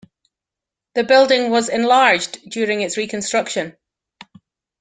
The building was enlarged during its reconstruction.